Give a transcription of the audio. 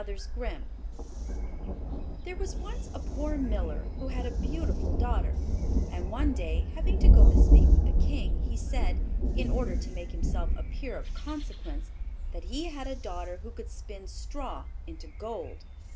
RUMPELSTILTSKIN There was once a poor Miller who had a beautiful daughter, and one day, having to go to speak with the King, he said, in order to make himself appear of consequence, that he had a daughter who could spin straw into gold.